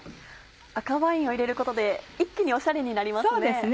赤ワインを入れることで一気にオシャレになりますね。